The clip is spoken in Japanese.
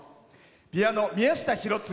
ピアノ、宮下博次。